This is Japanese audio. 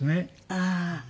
ああ。